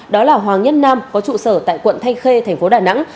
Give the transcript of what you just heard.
đó là hoàng nhất nam có trụ sở tại quận thanh khê thành phố đà nẵng